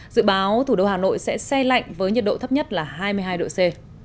dự báo thủ đô hà nội sẽ xe lạnh với nhiệt độ thấp nhất là hai mươi hai độ c